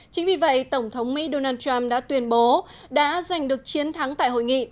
chính vì vậy tổng thống mỹ donald trump đã tuyên bố đã giành được chiến thắng tại hội nghị